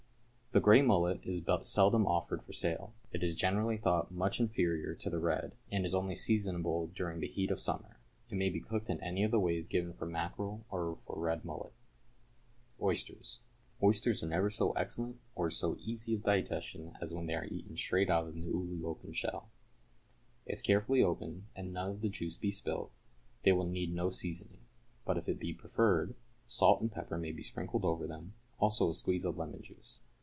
= The grey mullet is but seldom offered for sale. It is generally thought much inferior to the red, and is only seasonable during the heat of summer. It may be cooked in any of the ways given for mackerel or for red mullet. =Oysters.= Oysters are never so excellent or so easy of digestion as when they are eaten straight out of the newly opened shell. If carefully opened, and none of the juice be spilt, they will need no seasoning; but if it be preferred, salt and pepper may be sprinkled over them, also a squeeze of lemon juice.